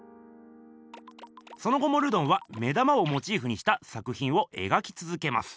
その後もルドンは目玉をモチーフにした作ひんを描きつづけます。